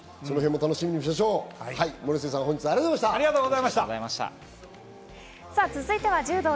そちらも楽しみにしましょう。